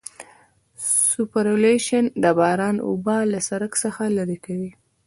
سوپرایلیویشن د باران اوبه له سرک څخه لرې کوي